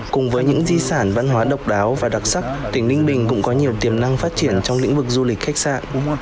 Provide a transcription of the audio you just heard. cùng với những di sản văn hóa độc đáo và đặc sắc tỉnh ninh bình cũng có nhiều tiềm năng phát triển trong lĩnh vực du lịch khách sạn